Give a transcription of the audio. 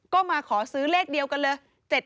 ก็มาขอซื้อเลขเดียวกันเลย